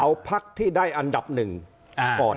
เอาพักที่ได้อันดับหนึ่งก่อน